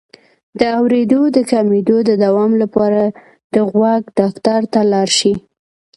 د اوریدو د کمیدو د دوام لپاره د غوږ ډاکټر ته لاړ شئ